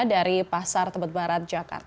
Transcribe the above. dari pasar tebet barat jakarta